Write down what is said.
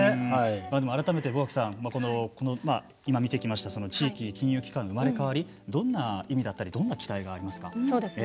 改めて坊垣さんこの今見てきました地域金融機関の生まれ変わりどんな意味だったりどんな期待がありますか。